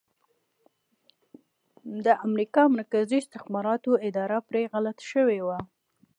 د امریکا مرکزي استخباراتو اداره پرې غلط شوي وو